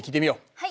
はい。